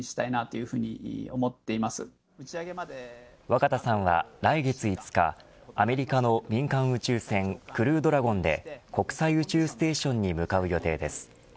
若田さんは来月５日アメリカの民間宇宙船クルードラゴンで国際宇宙ステーションに向かう予定です。